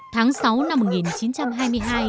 tháng sáu năm một nghìn chín trăm hai mươi hai